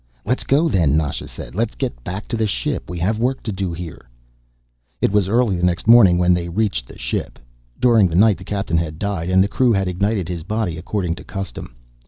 "Let's go, then," Nasha said. "Let's get back to the ship. We have work to do here." It was early the next morning when they reached the ship. During the night the Captain had died, and the crew had ignited his body, according to custom.